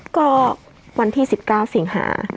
ก็วันที่๑๙สิงหา